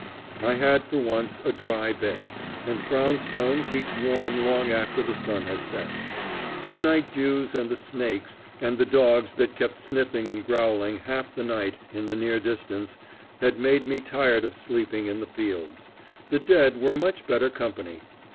I had for once a dry bed, and brownstone keeps warm long after the sun has set. The night dews and the snakes, and the dogs that kept sniffing and growling half the night in the near distance, had made me tired of sleeping in the fields. The dead were much better company.